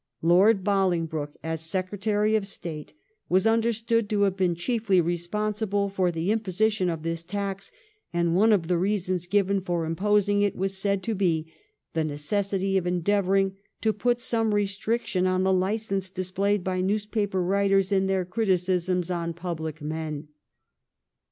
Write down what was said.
Lord Bolingbroke, as Secretary of State, was understood to have been chiefly respon sible for the imposition of this tax, and one of the reasons given for imposing it was said to be the necessity of endeavouring to put some restriction on the licence displayed by newspaper writers in their criticisms on public men.